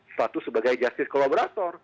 status sebagai justice collaborator